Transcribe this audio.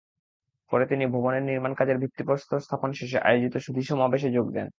পরে তিনি ভবনের নির্মাণকাজের ভিত্তিপ্রস্তর স্থাপন শেষে আয়োজিত সুধীসমাবেশে যোগ দেন।